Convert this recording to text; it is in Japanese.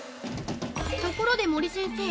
ところで、森先生！